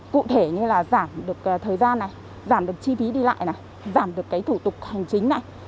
cụ thể như là giảm được thời gian này giảm được chi phí đi lại này giảm được cái thủ tục hành chính này